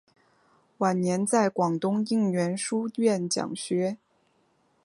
晚年在广东应元书院讲学。